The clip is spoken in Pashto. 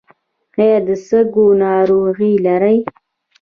ایا د سږو ناروغي لرئ؟